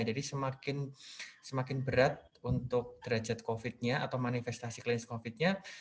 jadi semakin berat untuk derajat covid sembilan belas nya atau manifestasi klinis covid sembilan belas nya